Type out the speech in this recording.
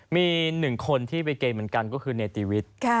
มี๑คนที่ไปเกณฑ์เหมือนกันก็คือเนติวิทย์